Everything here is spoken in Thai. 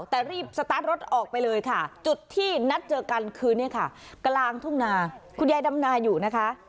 แต่รีบสตาร์ทรถออกไปเลยค่ะจุดที่นัดเจอกันคือเนี่ยค่ะกลางทุ่งนาคุณยายดำนาอยู่นะคะ